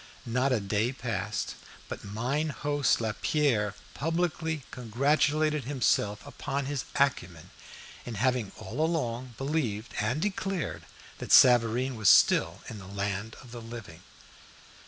Not a day passed but mine host Lapierre publicly congratulated himself upon his acumen in having all along believed and declared that Savareen was still in the land of the living.